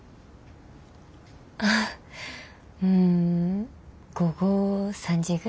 ああうん午後３時ぐらいかな。